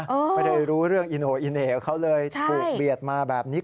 ไม่ได้รู้เรื่องอิโน่อีเหน่กับเขาเลยถูกเบียดมาแบบนี้